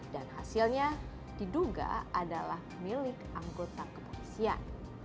dan hasilnya diduga adalah milik anggota kepolisian